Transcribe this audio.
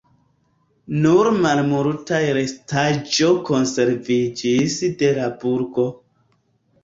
Nur malmultaj restaĵo konserviĝis de la burgo.